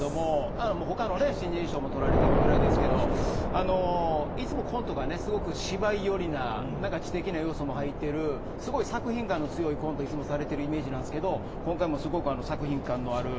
他の新人賞も取られているぐらいですからいつもコントが芝居寄りな私的な要素も入っている作品感の強いコントをされているイメージなんですが今回も作品感のある。